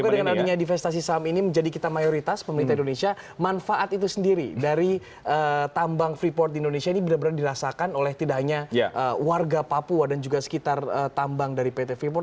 jadi dengan adanya divestasi saham ini menjadi kita mayoritas pemerintah indonesia manfaat itu sendiri dari tambang freeport indonesia ini benar benar dirasakan oleh tidak hanya warga papua dan juga sekitar tambang dari pt freeport